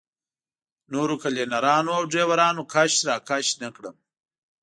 نورو کلینرانو او ډریورانو کش راکش نه کړم.